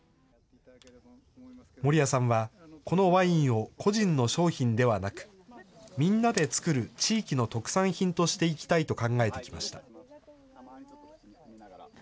森谷さんはこのワインを個人の商品ではなく、みんなでつくる地域の特産品としていきたいと考えてきました。